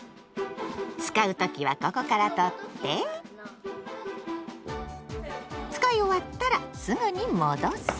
使う時はここから取って使い終わったらすぐに戻す。